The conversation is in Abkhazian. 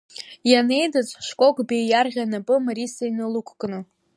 Ианеидыҵ Шкок Беи иарӷьа напы Мариса иналықәкны.